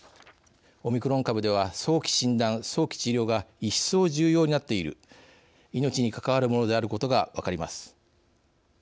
オミクロン株では早期診断、早期治療が一層重要になっている命に関わるものであることが分かります。